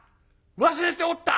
忘れておった！